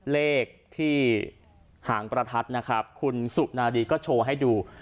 เลขที่หางประทัดนะครับคุณสุนารีก็โชว์ให้ดู